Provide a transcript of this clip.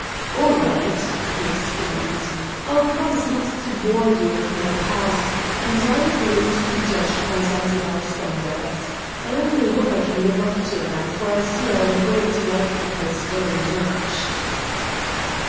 "All right!" he exclaimed. "I'll promise not to bore you with my past, and I agree to be judged by Zanzibar standards. I only hope I can live up to them, for I see I am going to like the place very much."